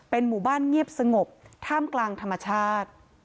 หมู่บ้านเงียบสงบท่ามกลางธรรมชาติ